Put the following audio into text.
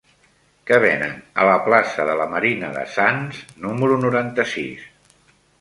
Què venen a la plaça de la Marina de Sants número noranta-sis?